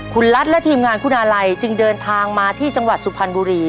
คุณรัฐและทีมงานคุณอาลัยจึงเดินทางมาที่จังหวัดสุพรรณบุรี